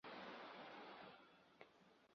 境内有井冈山机场和著名古村落爵誉村。